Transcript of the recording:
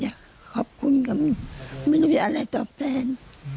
อยากขอบคุณกับมันไม่ได้อะไรต่อแทน